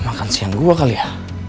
makan siang gue kali ya